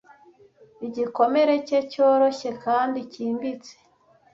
igikomere cye cyoroshye kandi cyimbitse